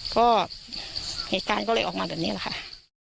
ก็เหตุการณ์ก็เลยออกมาแบบนี้แหละค่ะ